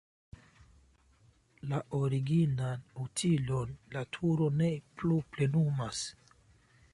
La originan utilon la turo ne plu plenumas.